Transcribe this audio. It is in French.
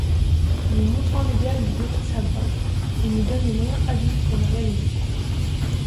Nous montrant l'idéal du Bodhisattva, il nous donne les moyens habiles pour le réaliser.